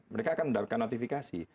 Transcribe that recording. mereka akan mendapatkan notifikasi